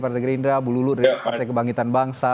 pak lulul partai kebangkitan bangsa